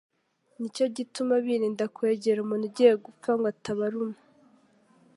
Nicyo gituma birinda kwegera umuntu ugiye gupfa ngo atabaruma